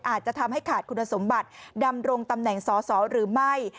อาจจะทำให้ขาดคุณสมบัติดำรงตำแหน่งสอสอหรือไม่